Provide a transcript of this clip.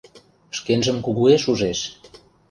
Шкенжым кугуэш ужеш.